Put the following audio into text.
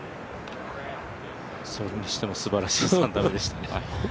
それにしてもすばらしい３打目でしたね。